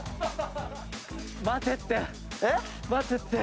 待てって。